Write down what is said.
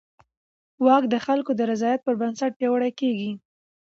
واک د خلکو د رضایت پر بنسټ پیاوړی کېږي.